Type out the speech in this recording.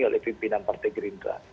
oleh pimpinan partai gerindra